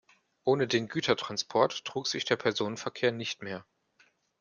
Ohne den Gütertransport trug sich der Personenverkehr nicht mehr.